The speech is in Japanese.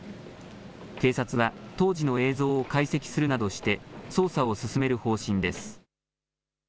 警察は当時の映像を解析するなどして、捜査を進める方針です。